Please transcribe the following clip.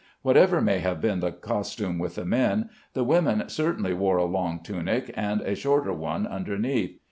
Whatever may have been the custom with the men, the women certainly wore a long tunic, and a shorter one underneath.